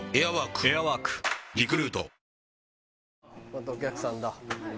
またお客さんだ。